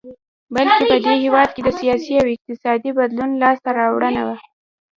بلکې په دې هېواد کې د سیاسي او اقتصادي بدلون لاسته راوړنه وه.